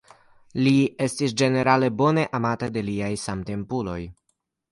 Li estis ĝenerale bone amata de liaj samtempuloj.